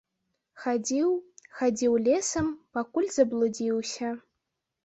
Хадзіў, хадзіў лесам, пакуль заблудзіўся.